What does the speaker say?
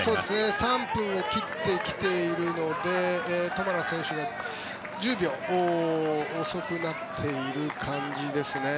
３分を切ってきているのでトマラ選手が１０秒遅くなっている感じですね。